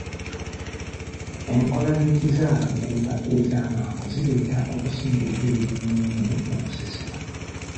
Enkola z'ekizaalaggumba ez'amangu zireeta okusinduukirirwa emmeeme n'okusesema.